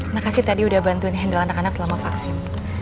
makasih tadi udah bantuin handle anak anak selama vaksin